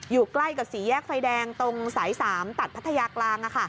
อยู่ใกล้กับสี่แยกไฟแดงตรงสาย๓ตัดพัทยากลาง